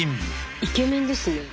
イケメンですね。